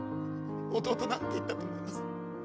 弟、なんて言ったと思います。